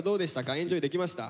エンジョイできました？